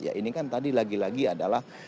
ya ini kan tadi lagi lagi adalah